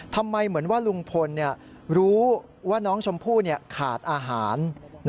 เหมือนว่าลุงพลรู้ว่าน้องชมพู่ขาดอาหาร